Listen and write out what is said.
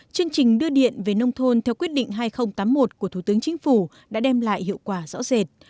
chương trình đưa điện về nông thôn theo quyết định hai nghìn tám mươi một của thủ tướng chính phủ đã đem lại hiệu quả rõ rệt